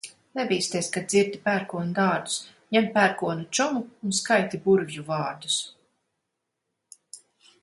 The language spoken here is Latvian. Nebīsties, kad dzirdi pērkona dārdus, ņem pērkona čomu un skaiti burvju vārdus.